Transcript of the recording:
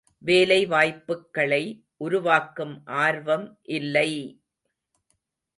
வேலை வாய்ப்புக்களை உருவாக்கும் ஆர்வம் இல்லை!